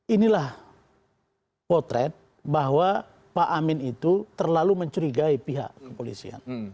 inilah potret bahwa pak amin itu terlalu mencurigai pihak kepolisian